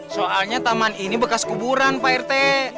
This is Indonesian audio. soalnya taman ini bekas kuburan pak rt